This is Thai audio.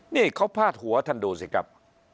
นี่เขาพาดหัวท่านดูสิครับ